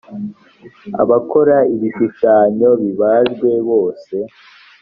abakora ibishushanyo bibajwe bose